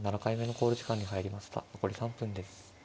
残り３分です。